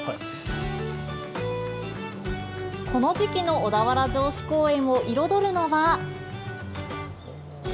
この時期の小田原城址公園を彩るのは。